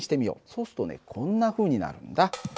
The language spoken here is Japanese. そうするとねこんなふうになるんだ。